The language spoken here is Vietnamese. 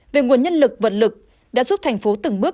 về nguồn nhân lực vật lực đã giúp thành phố từng bước